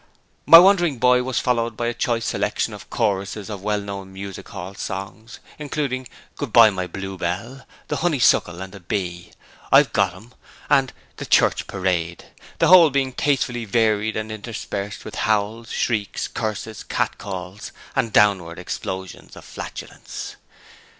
'My wandering boy' was followed by a choice selection of choruses of well known music hall songs, including 'Goodbye, my Bluebell', 'The Honeysuckle and the Bee', 'I've got 'em!' and 'The Church Parade', the whole being tastefully varied and interspersed with howls, shrieks, curses, catcalls, and downward explosions of flatulence.